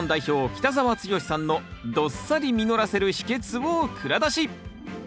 北澤豪さんのどっさり実らせる秘けつを蔵出し！